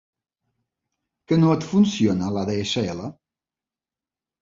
Que no et funciona l'ADSL?